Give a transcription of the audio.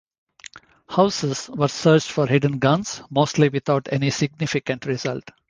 Houses were searched for hidden guns, mostly without any significant result.